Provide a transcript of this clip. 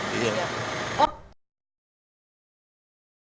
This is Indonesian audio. kayaknya harus di tiga ratus pun gitu ya